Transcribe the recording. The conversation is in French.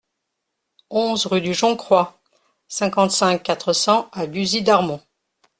onze rue du Joncroy, cinquante-cinq, quatre cents à Buzy-Darmont